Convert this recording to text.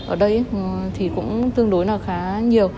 ở đây thì cũng tương đối là khá nhiều